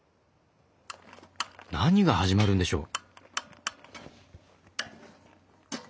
何が始まるんでしょう？